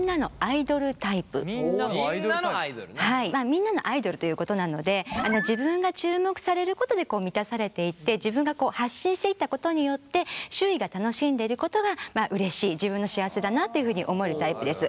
みんなのアイドルということなので自分が注目されることで満たされていって自分が発信していったことによって周囲が楽しんでいることがうれしい自分の幸せだなというふうに思えるタイプです。